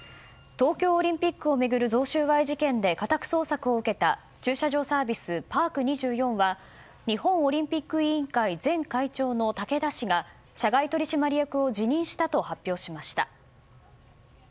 東京オリンピックを巡る贈収賄事件で家宅捜索を受けた駐車場サービス、パーク２４は日本オリンピック委員会前会長の竹田氏が社外取締役を辞任したと発表しました。